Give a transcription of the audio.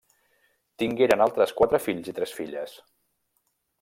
Tingueren altres quatre fills i tres filles.